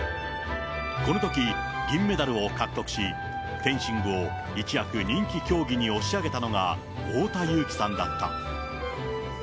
このとき銀メダルを獲得し、フェンシングを一躍、人気競技に押し上げたのが、太田雄貴さんだった。